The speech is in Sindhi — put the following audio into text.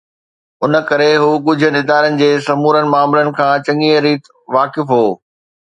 ان ڪري هو ڳجهن ادارن جي سمورن معاملن کان چڱيءَ ريت واقف هو